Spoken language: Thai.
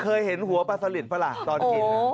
เคยเห็นหัวปาซาลิดเมื่อกี้